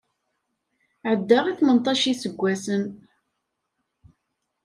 Ɛeddaɣ i tmenṭac isaggasen.